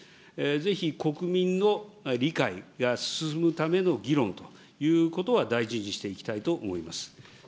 ぜひ国民の理解が進むための議論ということは大事にしていきたいと思います。